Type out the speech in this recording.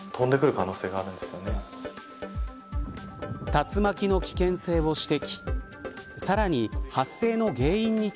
竜巻の危険性を指摘。